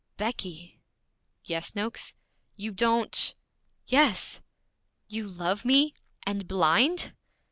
'Becky!' 'Yes, Noakes?' 'You don't ' 'Yes!' 'You love me, and blind?'